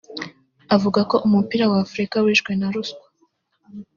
Avuga ko umupira w’Afurika wishwe na ruswa